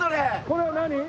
これは何？